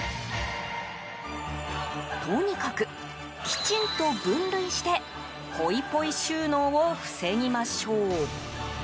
とにかく、きちんと分類してポイポイ収納を防ぎましょう。